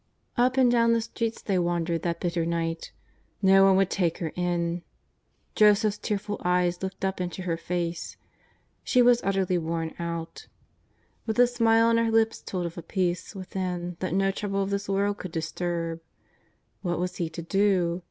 Up and down the streets they wandered that bitter night. No one would take her in. Joseph's tearful eyes looked up into her face. She was utterly worn out, but the smile on her lips told of a peace within that no trouble of this world could disturb. What was he to do